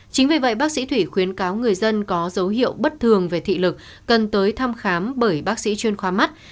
chính vì vậy bác sĩ thủy khuyến cáo người dân có dấu hiệu bất thường về thị lực cần tới thăm khám bởi bác sĩ chuyên khoa mắt